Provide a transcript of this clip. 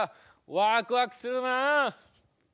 ワクワクするな！